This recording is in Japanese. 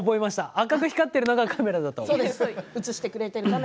赤く光ってるのがカメラですね。